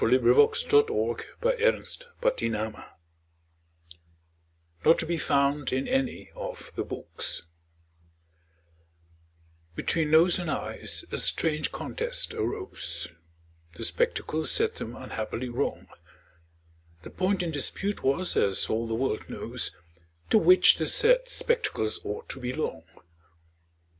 Burnand._ REPORT OF AN ADJUDGED CASE NOT TO BE FOUND IN ANY OF THE BOOKS Between Nose and Eyes a strange contest arose, The spectacles set them unhappily wrong; The point in dispute was, as all the world knows, To which the said spectacles ought to belong.